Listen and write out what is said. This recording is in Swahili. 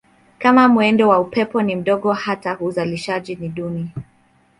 Kama mwendo wa upepo ni mdogo hata uzalishaji ni duni.